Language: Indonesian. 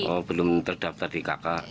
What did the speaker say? oh belum terdaftar di kakak